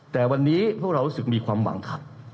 แต่วันนี้พวกเรารู้สึกมีความหวังครับ